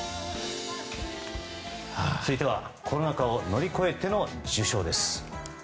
続いては、コロナ禍を乗り越えての受賞です。